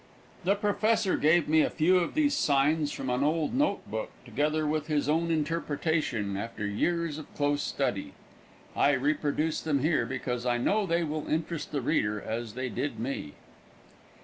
The professor gave me a few of these signs from an old note book, together with his own interpretation after years of close study. I reproduce them here, because I know they will interest the reader as they did me.